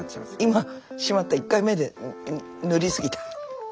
今しまった１回目で塗り過ぎた。